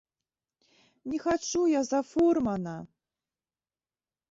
Не хачу я за фурмана!